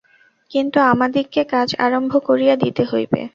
কিন্তু আমাদিগকে কাজ আরম্ভ করিয়া দিতে হইবে।